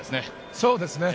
そうですね。